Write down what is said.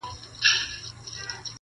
تا ول زه به یارته زولنې د کاکل واغوندم ,